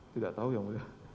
tidak tahu yang mulia